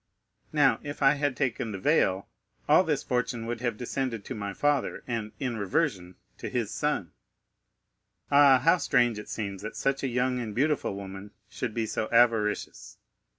Now, if I had taken the veil, all this fortune would have descended to my father, and, in reversion, to his son." "Ah, how strange it seems that such a young and beautiful woman should be so avaricious."